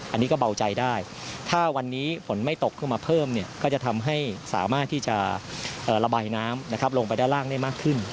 อันนี้ก็เบาใจได้ถ้าวันนี้ฝนไม่ตกขึ้นมาเพิ่มเนี่ยก็จะทำให้สามารถที่จะระบายน้ำลงไปด้านล่างได้มากขึ้น